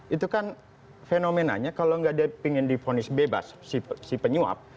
itu kan fenomenanya kalau tidak ada yang ingin diponis bebas si penyuap